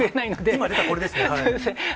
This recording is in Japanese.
今出たこれですね。